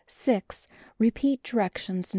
Repeat direction No.